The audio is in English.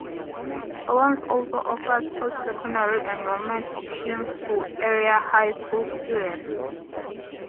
Owens also offers Post Secondary Enrollment Options to area high school students.